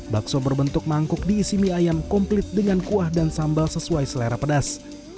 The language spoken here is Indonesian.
bakso berbentuk mangkuk diisi mie ayam komplit dengan kuah dan sambal sesuai selera pedas